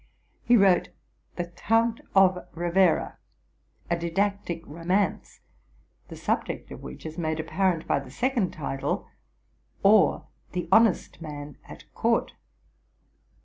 He wrote '* The Count of Rivera,'' a didactic romance, the subject of which is made apparent by the second title, '' or, The Honest Man at Court.